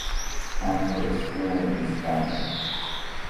Cantor is fluent in Spanish.